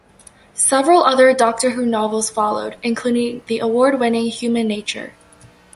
Several other "Doctor Who" novels followed, including the award-winning "Human Nature".